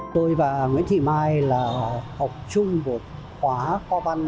tôi và nguyễn thị mai là học chung của khóa kho văn một nghìn chín trăm bảy mươi ba một nghìn chín trăm bảy mươi bảy